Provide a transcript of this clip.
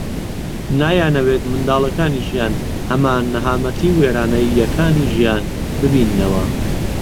نایانەوێت منداڵەکانیشیان هەمان نەهامەتی و وێرانەییەکانی ژیان ببیننەوە